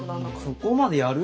そこまでやる？